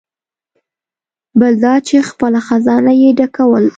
بل دا چې خپله خزانه یې ډکول.